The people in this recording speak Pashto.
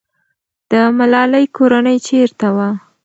د ملالۍ کورنۍ چېرته وه؟